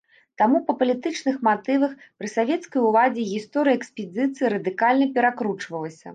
Таму па палітычных матывах пры савецкай уладзе гісторыя экспедыцыі радыкальна перакручвалася.